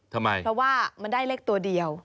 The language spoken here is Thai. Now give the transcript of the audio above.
ทำไมเพราะว่ามันได้เลขตัวเดียว